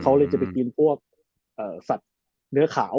เขาเลยจะไปกินพวกสัตว์เนื้อขาว